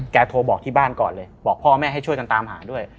โทรบอกที่บ้านก่อนเลยบอกพ่อแม่ให้ช่วยกันตามหาด้วย